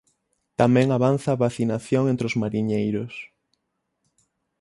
Tamén avanza a vacinación entre os mariñeiros.